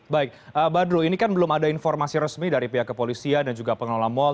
baik badru ini kan belum ada informasi resmi dari pihak kepolisian dan juga pengelola mal